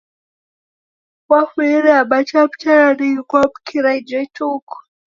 Wafunyire Aba chaw'ucha nandighi kwa kumkira ijo ituku.